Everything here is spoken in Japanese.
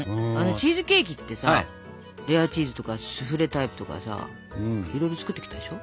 チーズケーキってさレアチーズとかスフレタイプとかさいろいろ作ってきたでしょ。